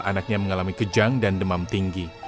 anaknya mengalami kejang dan demam tinggi